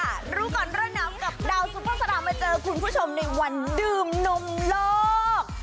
สวัสดีค่ะรู้ก่อนเรื่องน้ำกับดาวสุขภาษณามาเจอคุณผู้ชมในวันดื่มนมโลก